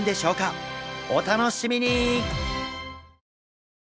お楽しみに！